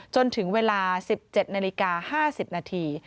จนถึงเวลา๑๗นาฬิกา๕๐นาที